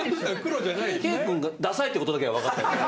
圭君がダサいってことだけは分かったよ。